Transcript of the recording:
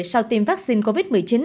sau tiêm vaccine covid một mươi chín